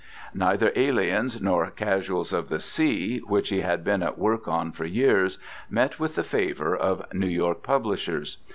Neither Aliens nor Casuals of the Sea, which he had been at work on for years, met with the favour of New York publishers.